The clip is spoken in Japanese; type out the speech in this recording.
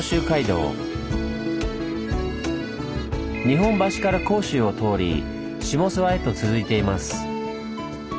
日本橋から甲州を通り下諏訪へと続いています。